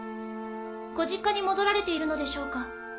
ご実家に戻られているのでしょうか？